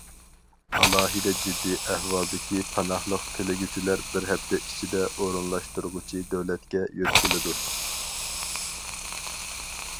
ئالاھىدە جىددىي ئەھۋالدىكى پاناھلىق تىلىگۈچىلەر بىر ھەپتە ئىچىدە ئورۇنلاشتۇرغۇچى دۆلەتكە يۆتكىلىدۇ.